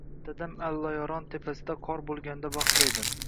"Dadam Allayoron tepasida qor bo'lganida baxtli edi